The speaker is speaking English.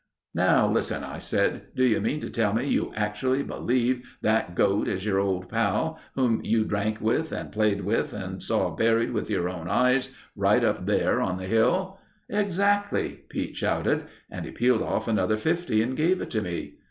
"'Now listen,' I said. 'Do you mean to tell me you actually believe that goat is your old pal, whom you drank with and played with and saw buried with your own eyes, right up there on the hill?' "'Exactly,' Pete shouted, and he peeled off another fifty and gave it to me.